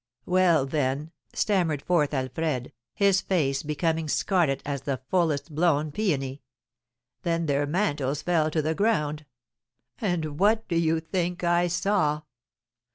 "Well, then," stammered forth Alfred, his face becoming scarlet as the fullest blown peony, "then their mantles fell to the ground. And what do you think I saw?